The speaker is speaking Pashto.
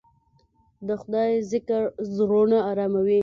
د خدای ذکر زړونه اراموي.